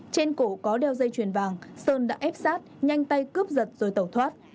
trên cổ có đeo dây chuyền vàng sơn đã ép sát nhanh tay cướp giật rồi tẩu thoát